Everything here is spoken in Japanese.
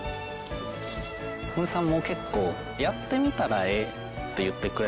森さんも結構「やってみたらええ」って言ってくれるので。